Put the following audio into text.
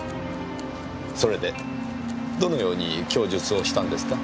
それでどのように供述をしたんですか？